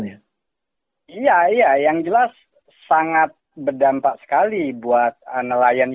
iya iya yang jelas sangat berdampak sekali buat nelayan